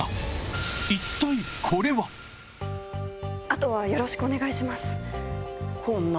後はよろしくお願いします。